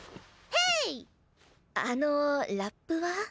あのラップは？